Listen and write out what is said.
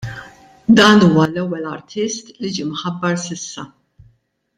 Dan huwa l-ewwel artist li ġie mħabbar s'issa.